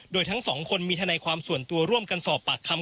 โดยทั้งสองคนมีทนายความส่วนตัวร่วมกันสอบปากคำ